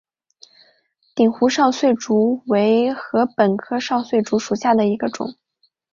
鼎湖少穗竹为禾本科少穗竹属下的一个种。